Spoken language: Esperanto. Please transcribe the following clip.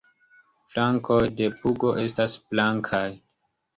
Flankoj de pugo estas blankaj.